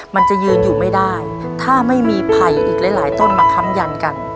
มันจะยืนอยู่ไม่ได้ถ้าไม่มีไผ่อีกหลายหลายต้นมาค้ำยันกัน